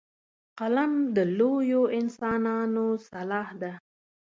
قلم د لویو انسانانو سلاح ده